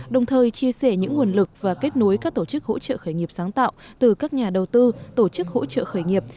đồng thời chia sẻ những nguồn lực và kết nối các tổ chức hỗ trợ khởi nghiệp sáng tạo từ các nhà đầu tư tổ chức hỗ trợ khởi nghiệp